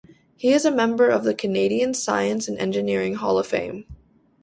He is a member of the Canadian Science and Engineering Hall of Fame.